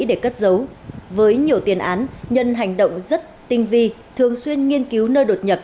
để cất giấu với nhiều tiền án nhân hành động rất tinh vi thường xuyên nghiên cứu nơi đột nhập